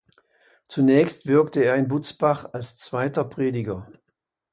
Zunächst wirkte er in Butzbach als zweiter Prediger.